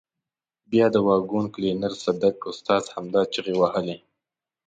بیا د واګون کلینر صدک استاد همدا چیغې وهلې.